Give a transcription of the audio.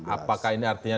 apakah ini artinya